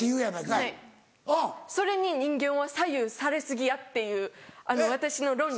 はいそれに人間は左右され過ぎやっていう私の論理。